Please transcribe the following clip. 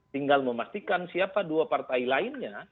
tinggal memastikan siapa dua partai lainnya